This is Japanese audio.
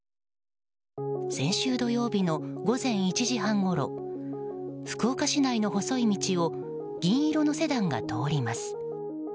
先週土曜日の午前１時半ごろ福岡市内の細い道を銀色のセダンが通ります。